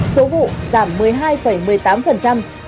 số vụ giảm một mươi hai một mươi tám